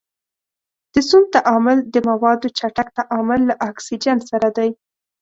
د سون تعامل د موادو چټک تعامل له اکسیجن سره دی.